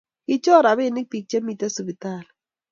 Kirchor rapinik pik che kimiten sipitali